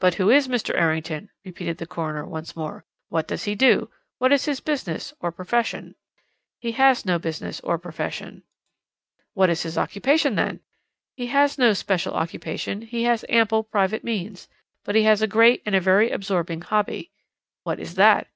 "'But who is Mr. Errington?' repeated the coroner once more. 'What does he do? What is his business or profession?' "'He has no business or profession. "'What is his occupation, then? "He has no special occupation. He has ample private means. But he has a great and very absorbing hobby.' "'What is that?'